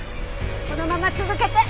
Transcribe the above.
このまま続けて。